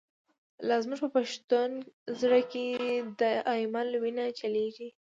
لا زمونږ په پښتون زړه کی، « د ایمل» وینه چلیږی